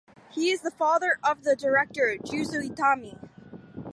He is the father of the director Juzo Itami.